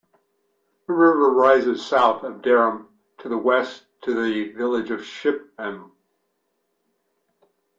The river rises south of Dereham to the west to the village of Shipdham.